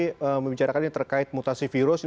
saya mau tadi membicarakan terkait mutasi virus